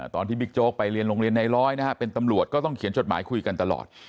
บิ๊กโจ๊กไปเรียนโรงเรียนในร้อยนะฮะเป็นตำรวจก็ต้องเขียนจดหมายคุยกันตลอด